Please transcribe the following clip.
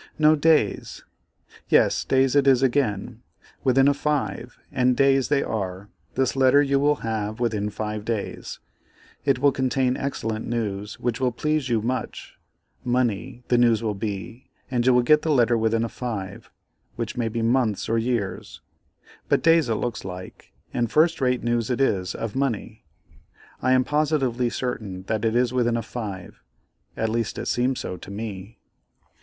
no, days; yes, days it is again; within a 5, and days they are; this letter you will have within 5 days; it will contain excellent news, which will please you much; money, the news will be, and you will get the letter within a 5, which may be months or years, but days it looks like, and first rate news it is, of money; I am positively certain that it is within a 5, at least it seems so to me.